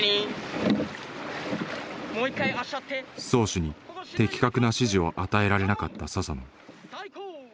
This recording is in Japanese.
漕手に的確な指示を与えられなかった佐々野。